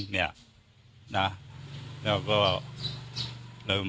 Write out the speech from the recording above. ตอบถามคนข้างห้องก็ไม่มีใครได้ยินเสียง